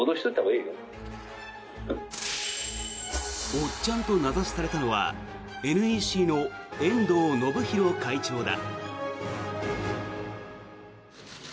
おっちゃんと名指しされたのはＮＥＣの遠藤信博会長だ。